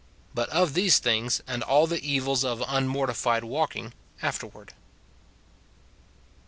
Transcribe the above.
But of these things and all the evils of unmortified walking, afterward.